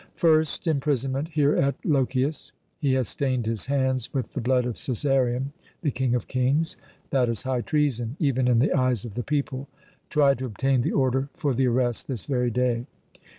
"First, imprisonment here at Lochias. He has stained his hands with the blood of Cæsarion, the King of kings. That is high treason, even in the eyes of the people. Try to obtain the order for the arrest this very day."